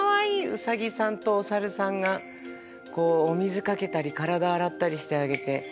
ウサギさんとお猿さんがこうお水かけたり体洗ったりしてあげて。